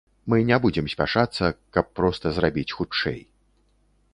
Мы не будзем спяшацца, каб проста зрабіць хутчэй.